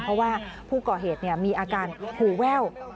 เพราะว่าผู้ก่อเหตุมีอาการหูแว่ว